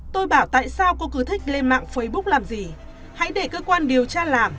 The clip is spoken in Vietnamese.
tôi bảo tại sao cô cứ thích lên mạng facebook làm gì hãy để cơ quan điều tra làm